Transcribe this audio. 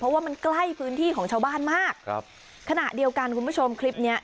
เพราะว่ามันใกล้พื้นที่ของชาวบ้านมากครับขณะเดียวกันคุณผู้ชมคลิปเนี้ย